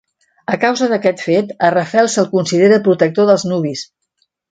A causa d'aquest fet, a Rafael se'l considera protector dels nuvis.